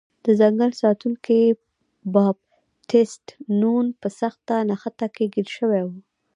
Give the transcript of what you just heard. د ځنګل ساتونکی بابټیست نون په سخته نښته کې ګیر شوی و.